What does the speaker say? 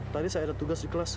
tadi saya ada tugas di kelas